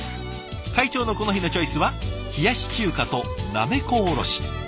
会長のこの日のチョイスは冷やし中華となめこおろし。